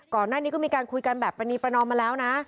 ก่อนหน้านี้ก็มีการคุยกันแบบประนีประนอมมาแล้วนะ